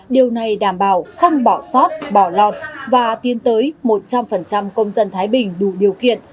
điều này đảm bảo không bỏ sót bỏ lọt và tiến tới một trăm linh công dân thái bình đủ điều kiện